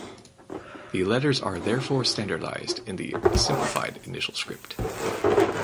The letters are therefore standardized in the simplified initial script.